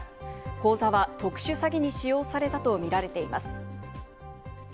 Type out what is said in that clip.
口座は特殊詐欺に使用されたと見られています。